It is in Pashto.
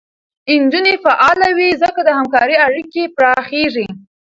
نجونې فعاله وي، ځکه د همکارۍ اړیکې پراخېږي.